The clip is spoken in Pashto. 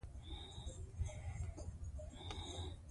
شکر نه قبلوي!! ځکه دا دواړه په خپل منځ کي